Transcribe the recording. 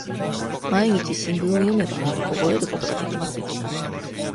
毎日、新聞を読めば、覚えることができますよ。